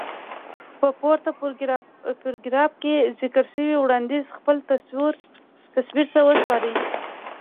په پورته پاراګراف کې ذکر شوی وړانديز خپل تصور ته وسپارئ.